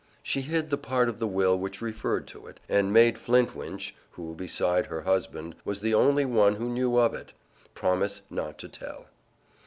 She hid the part of the will which referred to it, and made Flintwinch (who, beside her husband, was the only one who knew of it) promise not to tell.